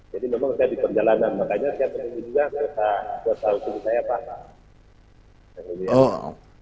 jadi memang saya di perjalanan makanya saya penuh juga saya selalu sendiri saya pak